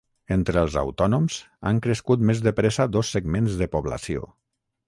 Entre els autònoms, han crescut més de pressa dos segments de població.